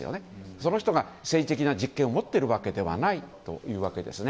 その人が政治的な実権を持っているわけではないというわけです。